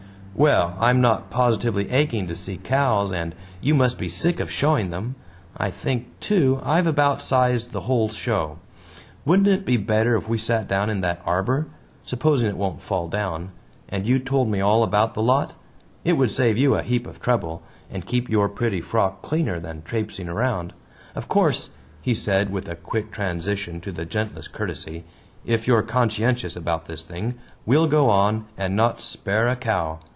"Well! I'm not positively aching to see cows, and you must be sick of showing them. I think, too, I've about sized the whole show. Wouldn't it be better if we sat down in that arbor supposing it won't fall down and you told me all about the lot? It would save you a heap of trouble and keep your pretty frock cleaner than trapesing round. Of course," he said, with a quick transition to the gentlest courtesy, "if you're conscientious about this thing we'll go on and not spare a cow.